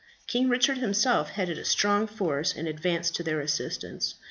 King Richard himself headed a strong force and advanced to their assistance.